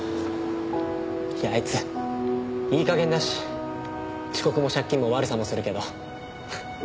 いやあいついい加減だし遅刻も借金も悪さもするけど。